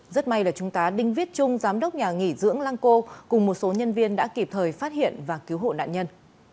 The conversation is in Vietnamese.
rất may là trung tá đinh viết trung giám đốc nhà nghỉ dưỡng lăng cô cùng một số nhân viên đã kịp thời phát hiện và cứu hộ nạn nhân